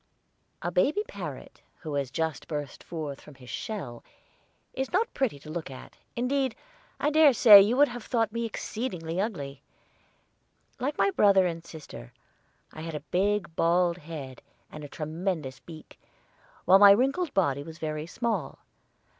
A baby parrot who has just burst forth from his shell is not pretty to look at; indeed, I dare say you would have thought me exceedingly ugly. Like my brother and sister, I had a big bald head and a tremendous beak, while my wrinkled body was very small.